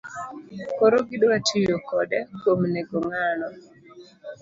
Koro gidwa tiyo kode kuom nego ng'ano